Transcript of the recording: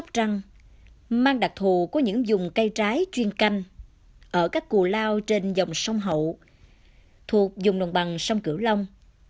quang đặc thù có những dùng cây trái chuyên canh ở các cù lao trên dòng sông hậu thuộc dùng đồng bằng sông cửu long